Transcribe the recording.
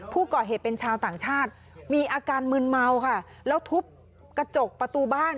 ผู้ก่อเหตุเป็นชาวต่างชาติมีอาการมืนเมาค่ะแล้วทุบกระจกประตูบ้าน